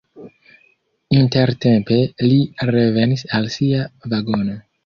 Intertempe li revenis al sia vagono.